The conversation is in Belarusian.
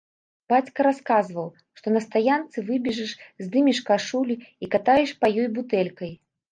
Бацька расказваў, што на стаянцы выбежыш, здымеш кашулю і катаеш па ёй бутэлькай.